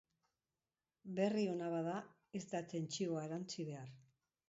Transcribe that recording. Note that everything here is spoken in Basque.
Berri ona bada, ez da tentsioa erantsi behar.